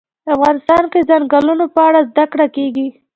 افغانستان کې د ځنګلونه په اړه زده کړه کېږي.